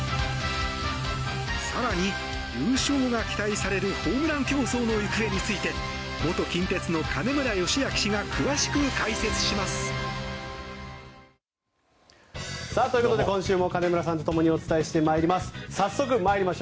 更に優勝が期待されるホームラン競争の行方について元近鉄の金村義明氏が詳しく解説します。ということで今週も金村さんとともにお伝えしてまいります。